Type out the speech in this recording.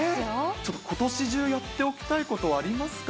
ちょっとことし中、やっておきたいことありますか？